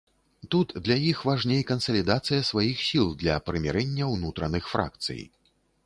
Тут для іх важней кансалідацыя сваіх сіл для прымірэння ўнутраных фракцый.